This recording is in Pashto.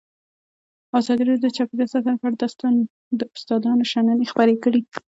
ازادي راډیو د چاپیریال ساتنه په اړه د استادانو شننې خپرې کړي.